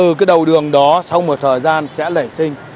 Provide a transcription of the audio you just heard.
từ cái đầu đường đó sau một thời gian sẽ lẩy sinh